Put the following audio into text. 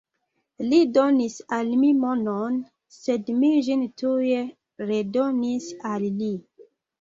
Li donis al mi monon, sed mi ĝin tuj redonis al li.